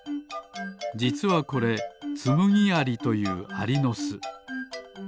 じつはこれツムギアリというアリのす。